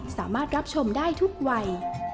สามารถรับชมได้ทุกวัย